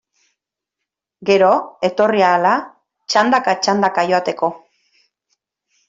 Gero, etorri ahala, txandaka-txandaka jateko.